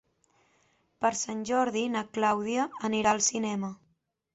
Per Sant Jordi na Clàudia anirà al cinema.